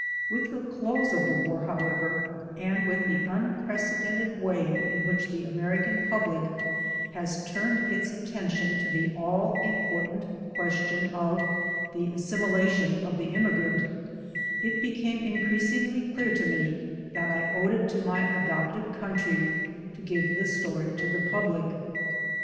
With the close of the War, however, and with the unprecedented way in which the American public has turned its attention to the all important question of the assimilation of the immigrant, it became increas ingly clear to me that I owed it to my adopted coun try to give the story to the public.